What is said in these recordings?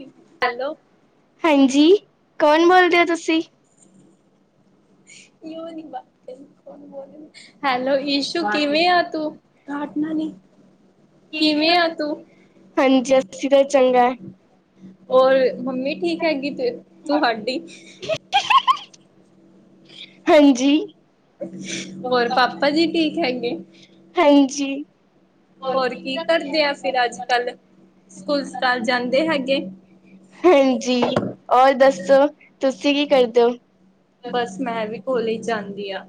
Hello ਹਾਂਜੀ, ਕੌਣ ਬੋਲਦੇ ਹੋ ਤੁਸੀਂ? ਉਹ ਨੀ ਬਾਤ ਕੋਣ ਬੋਲ ਰਹੇ, ਹੈਲੋ ਇਸ਼ੂ ਕਿਵੇਂ ਆ ਤੂੰ, ਡਾਂਟਨਾ ਨੀ ਹਾਂਜੀ, ਅਸੀਂ ਤਾਂ ਚੰਗਾ ਹੋਰ, ਮੰਮੀ ਠੀਕ ਹੈਗੀ ਤੇ ਤੂਹਾਡੀ ਹਾਂਜੀ ਹੋਰ ਪਾਪਾ ਜੀ ਠੀਕ ਹੈਗੇ ਹਾਂਜੀ ਹੋਰ ਕੀ ਕਰਦੇ ਆ ਫਿਰ ਅੱਜ ਕੱਲ, ਸਕੂਲ ਸਕਾਲ ਜਾਂਦੇ ਹੈਗੇ ਹਾਂਜੀ, ਹੋਰ ਦੱਸੋ ਤੁਸੀਂ ਕੀ ਕਰਦੇ ਹੋ ਬਸ ਮੈਂ ਵੀ ਕੋਲੇਜ ਜਾਂਦੀ ਆ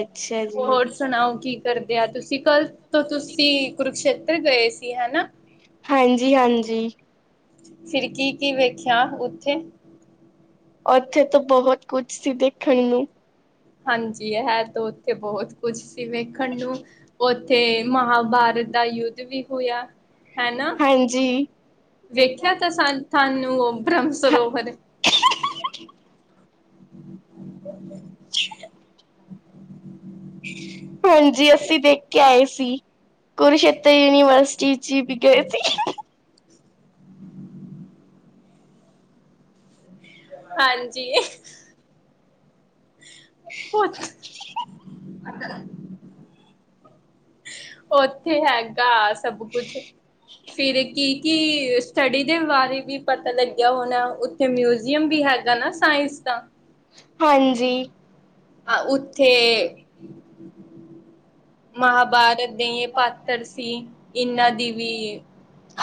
ਅੱਛਾ ਜੀ। ਹੋਰ ਸੁਣਾਓ ਕੀ ਕਰਦਿਆ ਤੁਸੀਂ ਕੱਲ ਤੋਂ ਤੁਸੀਂ ਕੁਰੂਕਸ਼ੇਤਰ ਗਏ ਸੀ ਹੈਨਾ ਹਾਂਜੀ-ਹਾਂਜੀ ਫਿਰ ਕੀ-ਕੀ ਵੇਖਿਆ ਉੱਥੇ ਉੱਥੇ ਤਾਂ ਬਹੁਤ ਕੁਛ ਸੀ ਦੇਖਣ ਨੂੰ ਹਾਂਜੀ ਹੈ ਤੋ ਉਥੇ ਬਹੁਤ ਕੁਛ ਸੀ ਵੇਖਣ ਨੂੰ ਉੱਥੇ ਮਹਾਭਾਰਤ ਦਾ ਯੁੱਧ ਵੀ ਹੋਇਆ ਹੈਨਾ ਹਾਂਜੀ ਵੇਖਿਆ ਤਾਂ ਸ ਸਾਨੂੰ ਉਹ ਬ੍ਰਹਮ ਸਰੋਵਰ ਹਾਂਜੀ ਅਸੀਂ ਦੇਖ ਕੇ ਆਏ ਸੀ ਕੁਰੂਸ਼ੇਤਰ ਯੂਨੀਵਰਸ ਚੀ-ਚੀ ਵੀ ਗਏ ਸੀ ਹਾਂਜੀ ਪੋਚ ਅੱਛਾ। ਉੱਥੇ ਹੈਗਾ ਸਭ ਕੁਛ ਫਿਰ ਕੀ ਕੀ ਸਟੱਡੀ ਦੇ ਬਾਰੇ ਵੀ ਪਤਾ ਲੱਗਿਆ ਹੋਣਾ ਉ ਉਥੇ ਮਿਊਜ਼ੀਅਮ ਵੀ ਹੈਗਾ ਨਾ ਸਾਇੰਸ ਦਾ। ਹਾਂਜੀ ਆ ਉੱਥੇ ਮਹਾਭਾਰਤ ਦੇ ਇਹ ਪਾਤਰ ਸੀ ਇਹਨਾਂ ਦੀ ਵੀ।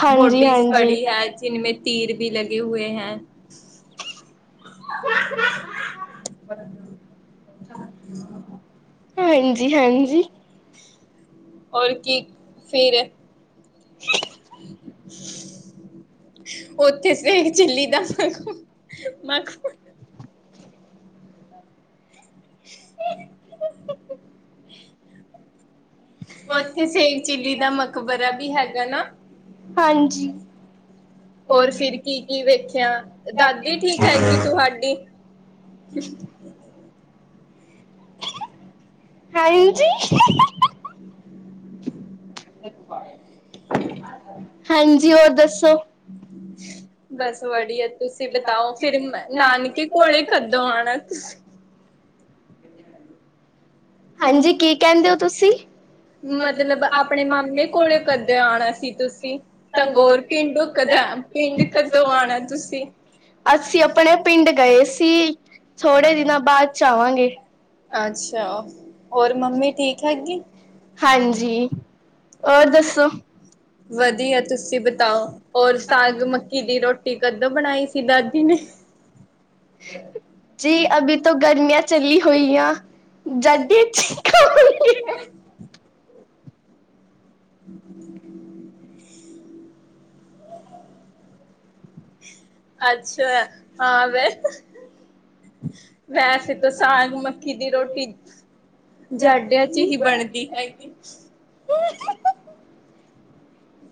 ਹਾਂਜੀ, ਬੋਡੀਜ਼ ਹਾਂਜੀ। ਪੜੀ ਹੈ ਜਿਨਮੇ ਤੀਰ ਵੀ ਲਗੇ ਹੋਏ ਹੈ। [inaudible] ਹਾਂਜੀ ਹਾਂਜੀ ਔਰ ਕੀ ਫੇਰ। ਉੱਥੇ ਸੇ਼ਖ ਚਿੱਲੀ ਦਾ ਮੱਖ-ਮੱਖ ਓਥੇ ਸੇ਼ਖ ਚਿੱਲੀ ਦਾ ਮਕਬਰਾ ਵੀ ਹੈਗਾ ਨਾ ਹਾਂਜੀ। ਹੋਰ ਫਿਰ ਕੀ-ਕੀ ਵੇਖਿਆ ਦਾਦੀ ਠੀਕ ਹੈਗੀ ਤੁਹਾਡੀ ਹ ਹਾਂਜੀ ਹੀ-ਹੀ ਹਾਂਜੀ ਹੋਰ ਦੱਸੋ ਬਸ ਵੜੀਆ ਤੁਸੀਂ ਬਤਾਓ ਫਿਰ ਨਾਨਕੇ ਕੋਲੇ ਕੱਦੋਂ ਆਉਣਾ ਹਾਂਜੀ ਕੀ ਕਹਿੰਦੇ ਹੋ ਤੁਸੀਂ ਮਤਲਬ ਆਪਣੇ ਮਾਮੇ ਕੋਲੇ ਕਦੇ ਆਉਣਾ ਸੀ ਤੁਸੀਂ ਟੰਗੋਰ ਪਿੰਂਡੂ ਕਦ ਪਿੰਡ ਕਦੋਂ ਆਉਣਾ ਤੁਸੀਂ ਅਸੀਂ ਆਪਣੇ ਪਿੰਡ ਗਏ ਸੀ ਥੋੜੇ ਦਿਨਾਂ ਬਾਅਦ ਚ ਆਵਾਂਗੇ। ਅੱਛਾ ਹੋਰ ਮੰਮੀ ਠੀਕ ਹੈਗੀ। ਹਾਂਜੀ ਹੋਰ ਦੱਸੋ। ਵਧੀਆ ਤੁਸੀਂ ਬਤਾਓ ਔਰ ਸਾਗ ਮੱਕੀ ਦੀ ਰੋਟੀ ਕਦੋਂ ਬਣਾਈ ਸੀ ਕਿ ਦਾਦੀ ਨੇ ਜੀ ਅਭੀ ਤੋਂ ਗਰਮੀਆਂ ਚੱਲੀ ਹੋਈਆਂ ਜਡੀ [unintelligible] ਅੱਛਾ ਹਾਂ ਵੈਸੇ ਤਾਂ ਸਾਗ ਮੱਕੀ ਦੀ ਰੋਟੀ ਜਾਡਿਆਂ ਚ ਹੀ ਬਣਦੀ ਹੈਗੀ।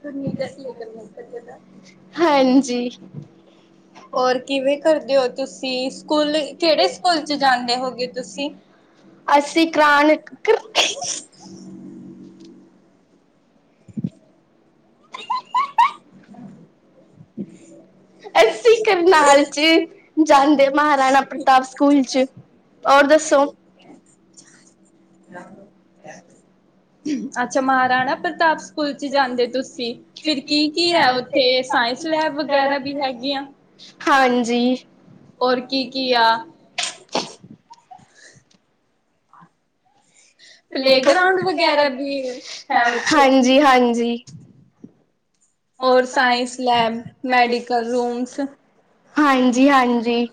ਤੁਸੀ [inaudible] ਦੱਸ ਲ ਕਰਨਦਾ ਹਾਂਜੀ ਹੋਰ ਕਿਵੇਂ ਕਰਦੇ ਹੋ ਤੁਸੀਂ ਸਕੂਲ ਕਿਹੜੇ ਸਕੂਲ ਚ ਜਾਂਦੇ ਹੋਗੇ ਤੁਸੀਂ? ਅਸੀ ਕਰਾਨ [unintelligible] [inaudible] [unintelligible] [inaudible] ਅਸੀਂ ਕਰਨਾਲ ਚ ਜਾਂਦੇ ਮਹਾਰਾਣਾ ਪ੍ਰਤਾਪ ਸਕੂਲ ਚ। ਔਰ ਦੱਸੋ? [inaudible] ਅੱਛਾ ਮਹਾਰਾਣਾ ਪ੍ਰਤਾਪ ਸਕੂਲ ਚ ਜਾਂਦੇ ਤੁਸੀਂ ਫਿਰ ਕੀ ਕੀ ਹੈ ਉੱਥੇ ਸਾਇੰਸ? ਸਲੈਬ ਵਗੈਰਾ ਵੀ ਹੈਗੀਆਂ ਹਾਂਜੀ ਹੋਰ ਕੀ ਕੀ ਆ? [inaudible] ਪਲੇਗਰਾਊਂਡ ਵਗੈਰਾ ਵੀ ਹੈ ਉੱਥੇ ਹਾਂਜੀ ਹਾਂਜੀ ਹੋਰ ਸਾਇੰਸ ਲੈਬ ਮੈਡੀਕਲ ਰੂਮਸ। ਹਾਂਜੀ ਹਾਂਜੀ।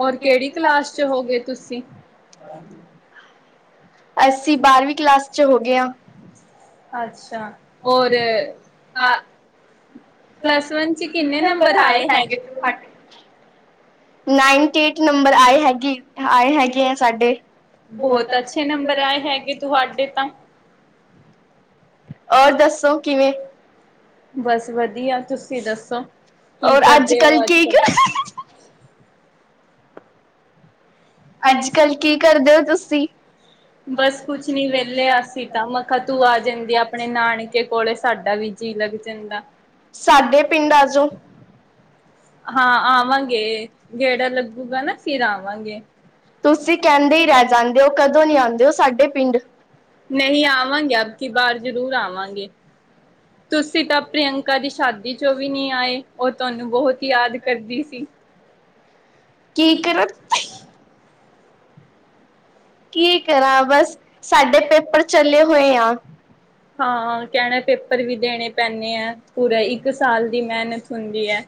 ਹੋਰ ਕਿਹੜੀ ਕਲਾਸ ਚ ਹੋ ਗਏ ਤੁਸੀਂ? ਅਸੀਂ, ਬਾਰਵੀਂ ਕਲਾਸ ਚ ਹੋ ਗਏ ਹਾਂ। ਅੱਛਾ। ਹੋਰ ਹ ਪੱਲਸ ਵਨ ਵਿਚ ਕਿੰਨੇ ਨੰਬਰ ਆਏ ਹੈਗੇ ਤੁਹਾਡੇ? ਨਾਈਨਟੀ ਏਟ ਨੰਬਰ ਆਏ ਹੈਗੇ-ਆਏ ਹੈਗੇ ਹੈ ਸਾਡੇ। ਬਹੁਤ ਅੱਛੇ ਨੰਬਰ ਆਏ ਹੈਗੇ ਤੁਹਾਡੇ ਤਾਂ। ਔਰ ਦੱਸੋ ਕਿਵੇਂ? ਬਸ ਵਧੀਆ ਤੁਸੀਂ ਦੱਸੋ? ਕੀ ਹੋਰ ਅੱਜ ਕਰਦੇ ਕੱਲ ਹੋ ਅੱਜ-ਕੱਲ? ਠੀਕ? ਅੱਜ ਕੱਲ ਕੀ ਕਰਦੇ ਹੋ ਤੁਸੀਂ? ਬਸ ਕੁਛ ਨੀ ਵਿਹਲੇ ਅਸੀਂ ਤਾਂ ਮੈ ਕਿਹਾ ਤੂੰ ਆ ਜਾਂਦੀ ਆਪਣੇ ਨਾਨਕੇ ਕੋਲੇ ਸਾਡਾ ਵੀ। ਜੀਅ ਲੱਗ ਜਾਂਦਾ। ਸਾਡੇ ਪਿੰਡ ਆਜੋਂ। ਹਾਂ ਆਵਾਂਗੇ ਗੇੜਾ ਲੱਗੂਗਾ ਨਾ ਫਿਰ ਆਵਾਂਗੇ। ਤੁਸੀਂ ਕਹਿੰਦੇ ਹੀ ਰਹਿ ਜਾਂਦੇ ਹੋ, ਕਦੋਂ ਨੀ ਆਉਂਦੇ ਹੋ ਸਾਡੇ ਪਿੰਡ। ਨਹੀਂ ਆਵਾਂਗੇ ਅਬ ਕਿ ਬਾਹਰ ਜ਼ਰੂਰ ਆਵਾਂਗੇ ਤੁਸੀਂ ਤਾਂ ਪ੍ਰਿਅੰਕਾ। ਕਾ ਦੀ ਸ਼ਾਦੀ ਚੋਂ ਵੀ ਨੀ ਆਏ ਉਹ ਤੁਹਾਨੂੰ ਬਹੁਤ ਯਾਦ ਕਰਦੀ ਸੀ। ਕੀ ਕਰਾਂ। ਕੀ ਕਰਾਂ ਬਸ ਸਾਡੇ ਪੇਪਰ ਚਲੇ ਹੋਏ ਆ। [inaudible] ਹਾਂ ਕਹਿਣਾ ਪੇਪਰ ਵੀ ਦੇਣੇ ਪੈਂਦੇ ਹੈ ਪੂਰਾ ਇੱਕ ਸਾਲ ਦੀ ਮਿਹਨਤ ਹੁੰਦੀ ਹੈ।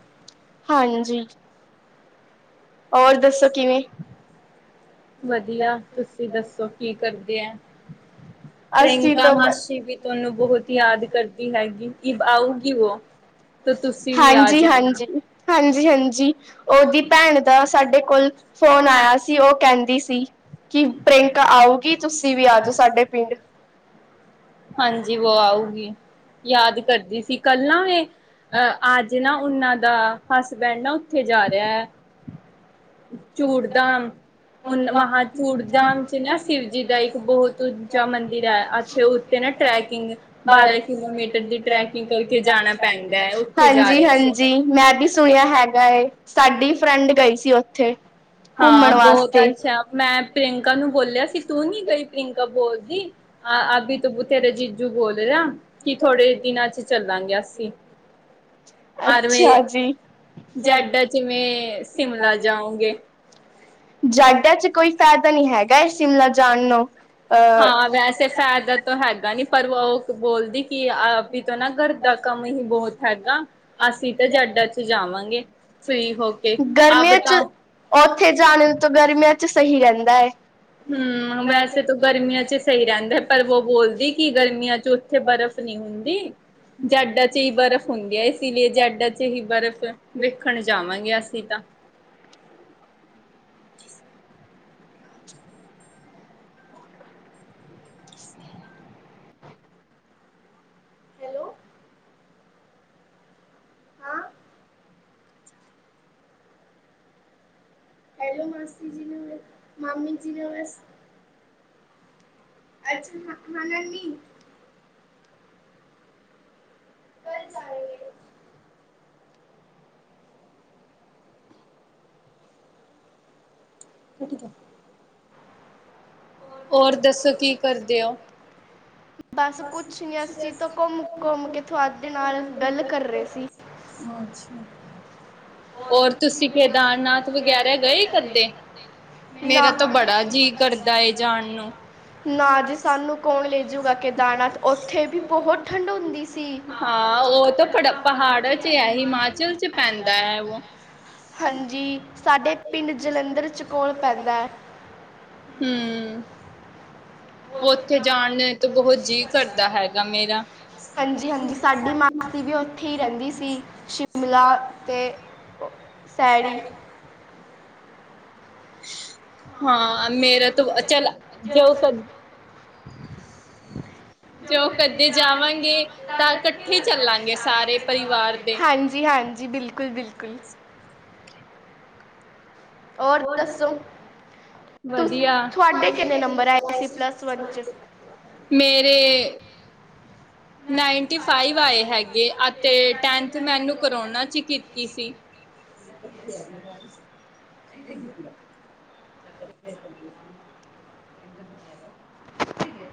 ਹਾਂਜੀ ਹੋਰ ਦੱਸੋ ਕਿਵੇਂ? ਵਧੀਆ ਤੁਸੀਂ ਦੱਸੋ ਕੀ ਕਰਦੇ ਆ? ਅਸੀਂ ਪ੍ਰਿਅੰਕਾ ਤੋਂ ਮਾਸੀ ਵੀ ਤੁਹਾਨੂੰ ਬਹੁਤ ਯਾਦ ਕਰਦੀ ਹੈਗੀ ਕਿ ਆਊਗੀ ਉਹ। ਤੇ ਤੁਸੀਂ ਵੀ ਆ ਜਾਇਉ। ਹਾਂਜੀ-ਹਾਂਜੀ। ਉਹਦੀ ਭੈਣ ਦਾ ਸਾਡੇ ਕੋਲ ਫੋਨ ਆਇਆ ਸੀ। ਉਹ ਕਹਿੰਦੀ ਸੀ। ਕਿ ਪ੍ਰਿਅੰਕਾ ਆਊਗੀ? ਤੁਸੀਂ ਵੀ ਆ ਜਾਓ ਸਾਡੇ। ਪਿੰਡ ਹਾਂਜੀ ਵੋ ਆਊਗੀ। ਯਾਦ ਕਰਦੀ ਸੀ। ਕੱਲ ਨਾ ਵੇ ਅਹ ਅੱਜ ਨਾ ਉਹਨਾਂ ਦਾ ਹਸਬੈਂਡ ਨਾ ਉੱਥੇ ਜਾ ਰਿਹਾ ਹੈ। ਚੂੜਧਾਮ। ਮਹਾਂਚੂੜਧਾਮ ਚ ਨਾ ਸ਼ਿਵ ਜੀ ਦਾ ਇੱਕ ਬਹੁਤ ਉੱਚਾ ਮੰਦਿਰ ਹੈ। ਇੱਥੇ ਨਾ ਟਰੈਕਿੰਗ ਬਾਰਾਂ ਕਿਲੋਮੀਟਰ ਦੀ ਟਰੈਕਿੰਗ ਕਰਕੇ ਜਾਣਾ ਪੈਂਦਾ ਹੈ। ਜਾ ਰਹੇ ਸੀ। ਹਾਂਜੀ-ਹਾਂਜੀ। ਮੈਂ ਵੀ ਸੁਣਿਆ ਹੈਗਾ ਏ। ਸਾਡੀ ਫਰੈਂਡ ਗਈ ਸੀ ਉੱਥੇ। ਹਾਂ। ਬਹੁਤ ਅੱਛਾ। ਮੈਂ ਪ੍ਰਿਯੰਕਾ ਨੂੰ ਬੋਲਿਆ ਸੀ ਤੂੰ ਨੀ ਕੋਈ ਪ੍ਰਿਯੰਕਾ ਬੋਲਦੀ। ਅਭੀ ਤੋਂ ਬਥੇ ਜੀਜੂ ਬੋਲ ਦੇ ਨਾਂ ਕੀ ਥੋੜ੍ਹੇ ਦਿਨਾਂ ਚ ਚੱਲਾਂਗੇ ਅਸੀਂ। ਆਰ ਮ ਜੀ ਜੈਡਾ ਚਵੇਂ ਸ਼ਿਮਲਾ ਜਾਉਗੇ। ਜਾਇਦਾਦ ਚ ਕੋਈ ਫਾਇਦਾ ਨਹੀਂ ਹੈਗਾ ਇਹ ਸ਼ਿਮਲਾ ਜਾਣ ਨੂੰ ਹਾਂ ਅਹ ਵੈਸ ਫਾਇਦਾ ਤਾਂ ਹੈਗਾ ਨੀ ਪਰ ਉਹ ਬੋਲਦੀ ਕਿ ਅ ਤੋਂ ਨਾ ਘਰ ਦਾ ਕੰਮ ਹੀ ਬਹੁਤ ਹੈਗਾ। ਅਸੀਂ ਤਾਂ ਜੈਡਾ ਚ ਜਾਵਾਂਗੇ। ਫ੍ਰੀ ਹੋ ਕੇ ਆਪ ਗਰਮੀਆਂ ਚ ਬਤਾਓ? ਉੱਥੇ ਜਾਣ ਤਾਂ ਗਰਮੀਆਂ ਚ ਸਹੀ ਰਹਿੰਦਾ ਹੈ। ਹਮ ਵੈਸੇ ਤਾਂ ਗਰਮੀਆਂ ਚ ਸਹੀ ਰਹਿੰਦਾ। ਪਰ ਵੋ ਬੋਲਦੀ ਕਿ ਗਰਮੀਆਂ ਚ ਉੱਥੇ ਬਰਫ਼ ਨਹੀਂ ਹੁੰਦੀ। ਜੈਡ ਚ ਹੀ ਬਰਫ਼ ਹੁੰਦੀ ਇਸ ਲਈ ਜੇ ਐਡਾ ਚ ਹੀ ਬਰਫ਼। ਵੇਖਣ ਜਾਵਾਂਗੇ ਅਸੀਂ ਤਾਂ। [unintelligible] [unintelligible] ਹੈਲੋ? ਹਾਂ? ਹੈਲੋ ਮਾਸੀ ਜੀ ਨਮ, ਮਾਮੀ ਜੀ ਨਮਸ ਅੱਛਾ ਹਾ ਨਾਨੀ। ਠੀਕ ਐ। ਔਰ! ਦੱਸੋ ਕੀ ਕਰਦੇ ਔ? ਬਸ ਕੁਛ ਨੀ ਅਸੀਂ ਤੋਂ ਘੁੰਮ-ਘੁੰਮ ਕੇ ਥਹਾਡੇ ਨਾਲ ਗੱਲ ਕਰ ਰਹੇ ਸੀ। [unintelligible] ਹੋਰ! ਤੁਸੀਂ ਕੇਦਾਰਨਾਥ ਵਗੈਰਾ ਗਏ ਕਦੇਏ। ਨਾ ਮੇਰਾ ਤੋਂ ਬੜਾ ਜੀਅ ਕਰਦਾ ਏ ਜਾਣ ਨੂੰ। ਨਾ ਜੀ ਸਾਨੂੰ ਕੌਣ ਲੈਜੂਗਾ ਕੇਦਾਰਨਾਥ, ਉੱਥੇ ਵੀ ਬਹੁਤ ਠੰਡ ਹੁੰਦੀ ਸੀ। ਹਾ ਹਾ! ਉਹ ਤਾਂ ਪੜ ਪਹਾੜਾਂ 'ਚ ਹੈ। ਹਿਮਾਚਲ 'ਚ ਪੈਂਦਾ ਹੈ ਵੋਹ ਹਾਂਜੀ ਸਾਡੇ ਪਿੰਅਡ ਜਲੰਧਰ 'ਚ ਕੋਲ ਪੈਂਦਾ ਏ। ਹੂੰ ਉਹ ਉੱਥੇ ਜਾਣ ਤੋਂ ਬਹੁਤ ਜੀਅ ਕਰਦਾ ਹੈਗਾ ਮੇਰਾ। ਹਾਂਜੀ-ਹਾਂਜੀ। ਸਾਡੀ ਮਾਸੀ ਵੀ ਉੱਥੇ ਹੀ ਰਹਿੰਦੀ ਸੀ। ਸ਼ਿਮਲਾ ਅਤੇ ਸੈਰੀ। ਹਾਂ ਮੇਰਾ ਤੋਂ ਚੱਲ ਜੋ ਕ [unintelligible] ਜੋ ਕਦੀ ਜਾਵਾਂਗੇ ਤਾਂ ਇਕੱਠੇ ਚੱਲਾਂਗੇ ਸਾਰੇ ਪਰਿਵਾਰ ਹਾਂਜੀ। ਜੀ ਹਾਂਜੀ ਬਿਲਕੁਲ-ਬਿਲਕੁਲ। ਔਰ ਦੱਸੋ? ਤੁਸ ਵਧੀਆ। ਤੁਹਾਡੇ ਕਿੰਨੇ ਨੰਬਰ ਆਏ ਸੀ ਪਲੱਸ ਚ ਮੇਰੇ ਨਾਈਨਟੀ ਫਾਈਵ ਆਏ ਹੈਗੇ। ਅਤੇ ਟੈਂਨਥ ਮੈਨੂੰ ਕਰੋਨਾ ' ਕੀਤੀ ਸੀ। ਦ ਗੱਲ ਇਹ ਜ [unintelligible] [inaudible]